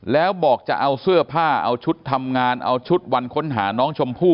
แล้วบอกจะเอาเสื้อผ้าเอาชุดทำงานเอาชุดวันค้นหาน้องชมพู่